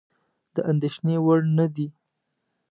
د اندېښنې وړ نه دي.